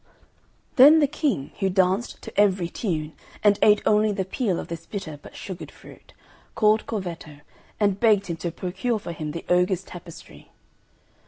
Then the King, who danced to every tune, and ate only the peel of this bitter but sugared fruit, called Corvetto, and begged him to procure for him the ogre's tapestry.